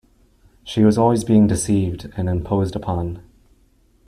She was always being deceived and imposed upon.